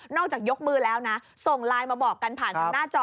จากยกมือแล้วนะส่งไลน์มาบอกกันผ่านทางหน้าจอ